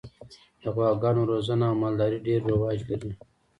د غواګانو روزنه او مالداري ډېر رواج لري.